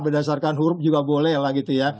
berdasarkan huruf juga boleh lah gitu ya